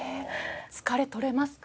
疲れ取れますか？